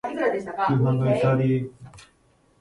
見てもいい？と君は言う